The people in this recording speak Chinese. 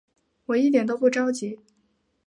我一点都不着急